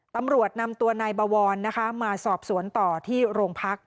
ตำรวจนำตัวนายบวรนะคะมาสอบสวนต่อที่โรงพัก